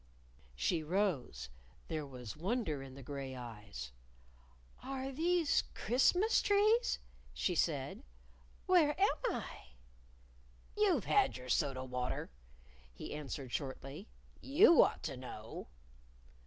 She rose. There was wonder in the gray eyes. "Are these Christmas trees?" she said. "Where am I?" "You've had your soda water," he answered shortly. "You ought to know."